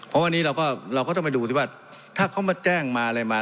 เพราะวันนี้เราก็เราก็ต้องไปดูสิว่าถ้าเขามาแจ้งมาอะไรมา